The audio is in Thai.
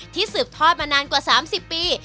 สืบทอดมานานกว่า๓๐ปี